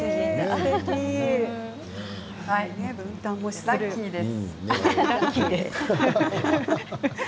はい、ラッキーです。